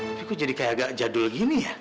tapi kok jadi kayak agak jadul gini ya